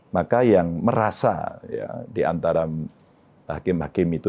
maka yang merasa di antara hakim hakim itu